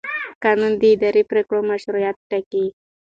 قانون د اداري پرېکړو مشروعیت ټاکي.